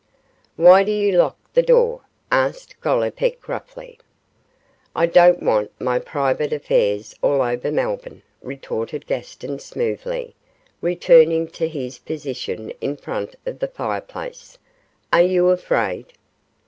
'Why do you lock the door?' asked Gollipeck, gruffly. 'I don't want my private affairs all over Melbourne,' retorted Gaston, smoothly, returning to his position in front of the fireplace; 'are you afraid?